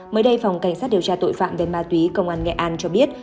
mới đây phòng cảnh sát điều tra tội phạm về ma túy công an nghệ an cho biết